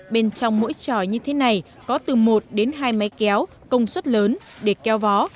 bên trong mỗi tròi như thế này có từ một đến hai máy kéo công suất lớn để kéo vó